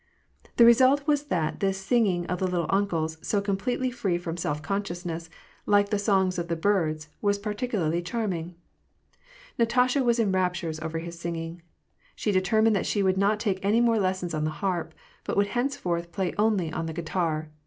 The result was that this singing of the " little uncle's," so completely free from self consciousness, like the songs of the birds, was particularly charming. Na tasha was in raptures over his singing. She determined that she would not take any more lessons on the harp, but would henceforth play only on the guitar.